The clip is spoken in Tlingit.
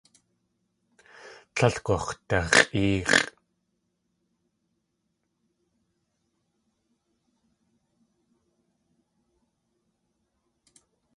Tlél gux̲dax̲ʼéex̲ʼ.